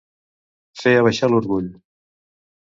Fer abaixar l'orgull.